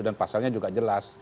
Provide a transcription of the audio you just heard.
dan pasalnya juga jelas